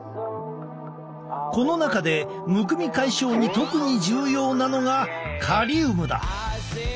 この中でむくみ解消に特に重要なのがカリウムだ。